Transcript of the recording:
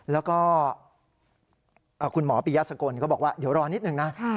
แล้วก็คุณหมอปียะสกลก็บอกว่าเดี๋ยวรอนิดนึงนะ